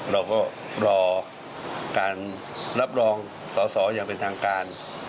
เราก็รอการรับรองสอสออย่างเป็นทางการ